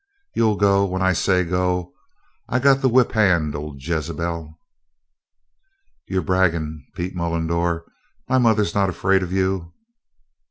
"You'll go, when I say so. I got the whip hand o' Jezebel." "You're bragging, Pete Mullendore. My mother's not afraid of you."